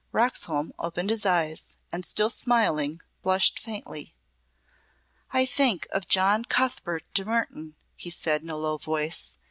Roxholm opened his eyes and, still smiling, blushed faintly. "I think of John Cuthbert de Mertoun," he said in a low voice.